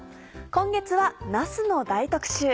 今月はなすの大特集。